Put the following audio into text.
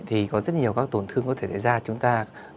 thì có rất nhiều các tổn thương có thể ra chúng ta